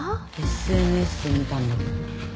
ＳＮＳで見たんだけど。